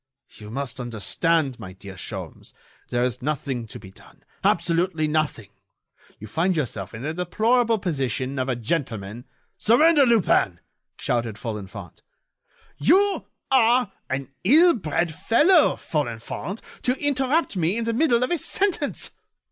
"You must understand, my dear Sholmes, there is nothing to be done, absolutely nothing. You find yourself in the deplorable position of a gentleman——" "Surrender, Lupin!" shouted Folenfant. "You are an ill bred fellow, Folenfant, to interrupt me in the middle of a sentence.